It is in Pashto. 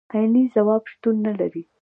عيني ځواب شتون نه لري.